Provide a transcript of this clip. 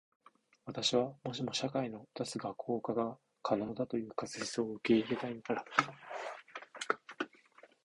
私は、もしも社会の脱学校化が可能だという仮説を受け入れたならそのときに生じるいくつかの複雑な問題について論じようと思う。